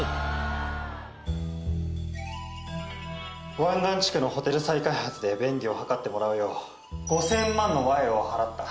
湾岸地区のホテル再開発で便宜を図ってもらうよう５０００万の賄賂を払った。